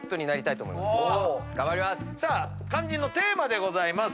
さあ肝心のテーマでございます。